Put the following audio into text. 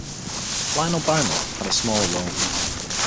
Lionel Barrymore had a small role.